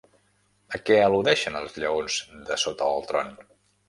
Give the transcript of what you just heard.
A què al·ludeixen els lleons de sota el tron?